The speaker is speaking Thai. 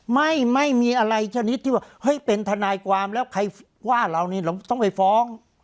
ไม่มีอะไรชนิดที่ว่าเฮ้ยเป็นทนายความแล้วใครว่าเรานี่เราต้องไปฟ้อง